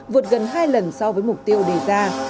vượt gần hai lần so với mục tiêu đề ra